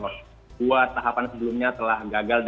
jadi dua tahapan sebelumnya telah gagal